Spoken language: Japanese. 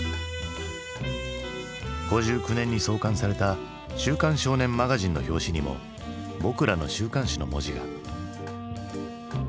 ５９年に創刊された「週刊少年マガジン」の表紙にも「ぼくらの週刊誌」の文字が。